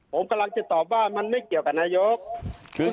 ผมกำลังจะตอบว่ามันไม่เกี่ยวกับนายก